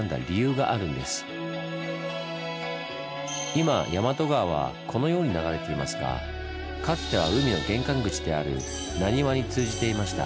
今大和川はこのように流れていますがかつては海の玄関口である難波に通じていました。